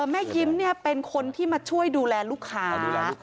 แม่ยิ้มเป็นคนที่มาช่วยดูแลลูกค้าอยู่แล้ว